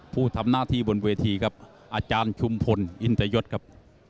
ผู้ทำหน้าที่บนเวทีครับอาจารย์ชุมพลอินตยศครับ